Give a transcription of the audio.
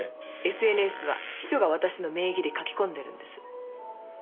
ＳＮＳは秘書が私の名義で書き込んでいるんです。